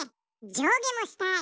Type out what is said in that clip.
じょうげもしたい。